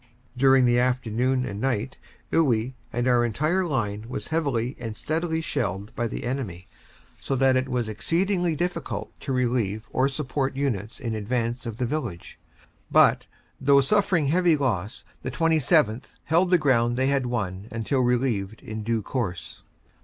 During the afternoon and night Iwuy and our entire line was heavily and steadily shelled by the enemy, so that it was exceedingly difficult to relieve or support units in advance of the village, but, though suffering heavy loss, the 27th. held the ground they had won until relieved in due course.